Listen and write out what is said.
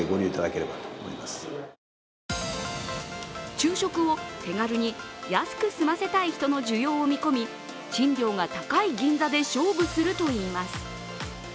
昼食を手軽に安く済ませたい人の需要を見込み、賃料が高い銀座で勝負するといいます。